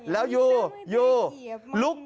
แล้วยูยู